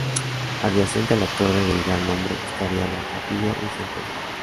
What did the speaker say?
Adyacente a la torre de igual nombre estaría la "Capilla de San Jorge".